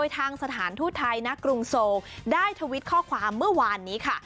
สถานทูตไทยณกรุงโซลได้ทวิตข้อความเมื่อวานนี้ค่ะ